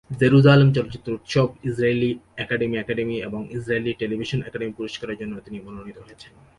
Jerusalem চলচ্চিত্র উৎসব, Israeli academy academy এবং ইসরায়েলী টেলিভিশন একাডেমি পুরস্কারের জন্য তিনি মনোনীত হয়েছেন।